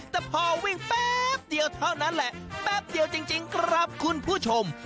แต่พอวิ่งแป๊บเดียวเท่านั้นแหละแป๊บเดียวจริงครับคุณผู้ชม